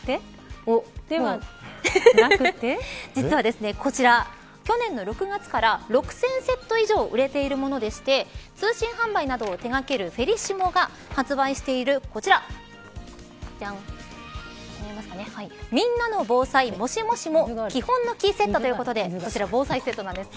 実は、こちら去年の６月から６０００セット以上売れているものでして通信販売などを手掛けるフェリシモが発売している、こちらみんなの防災もしもしもきほんのきセットということでこちら、防災セットなんです。